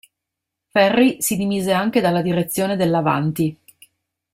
Ferri si dimise anche dalla direzione dell"'Avanti!